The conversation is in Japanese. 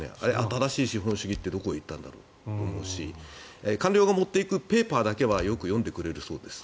新しい資本主義ってどこに行ったんだろうと思うし官僚が持っていくペーパーだけはよく読んでくれるそうです。